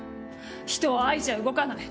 人は愛じゃ動かない。